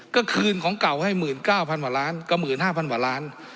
ก็คืนของเก่าให้หมื่นเก้าพันว่าล้านก็หมื่นห้าพันว่าล้าน